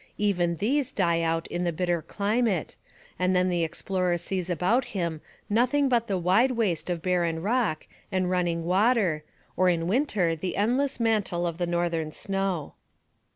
Even these die out in the bitter climate, and then the explorer sees about him nothing but the wide waste of barren rock and running water or in winter the endless mantle of the northern snow.